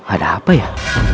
ada apa ya